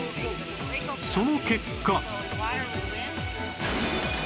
その結果